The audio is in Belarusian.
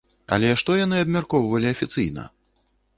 Але што яны абмяркоўвалі афіцыйна?